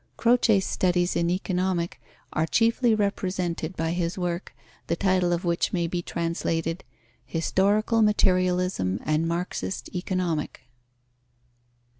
Croce's studies in Economic are chiefly represented by his work, the title of which may be translated "Historical Materialism and Marxist Economic."